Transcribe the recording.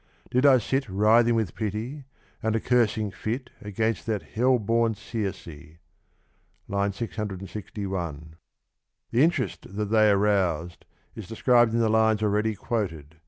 did I sit Writhing with pity, and a cursing fit Against that hell born Circe. (III. 661) The interest that they roused is described in the lines already quoted (p.